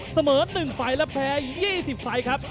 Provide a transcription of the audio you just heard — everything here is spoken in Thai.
เสมอ๑ไฟล์และแพ้๒๐ไฟล์ครับ